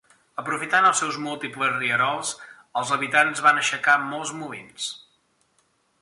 Aprofitant els seus múltiples rierols, els habitants van aixecar molts molins.